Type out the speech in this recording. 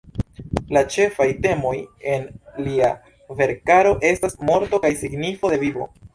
La ĉefaj temoj en lia verkaro estas morto kaj signifo de vivo.